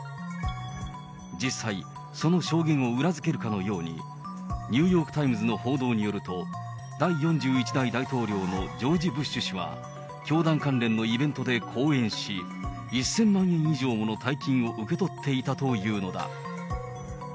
実際、その証言を裏付けるかのように、ニューヨークタイムズの報道によると、第４１代大統領のジョージ・ブッシュ氏は、教団関連のイベントで講演し、１０００万円以上もの大金を受け取っていたというのだ。